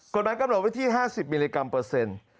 กฎหมายกำหนดไว้ที่๕๐มิลลิกรัมเปอร์เซ็นต์